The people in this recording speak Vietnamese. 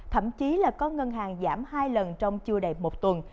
thậm chí là có ngân hàng giảm hai lần trong chưa đầy một tuần